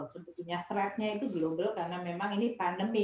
sebetulnya threatnya itu global karena memang ini pandemi